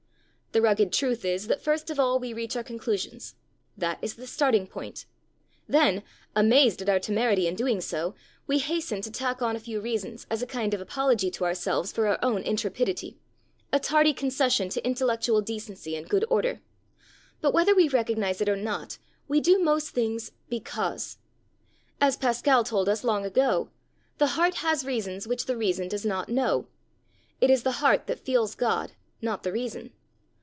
The rugged truth is, that we first of all reach our conclusions. That is the starting point. Then, amazed at our own temerity in doing so, we hasten to tack on a few reasons as a kind of apology to ourselves for our own intrepidity, a tardy concession to intellectual decency and good order. But whether we recognize it or not, we do most things because. As Pascal told us long ago, 'the heart has reasons which the reason does not know. It is the heart that feels God, not the reason.'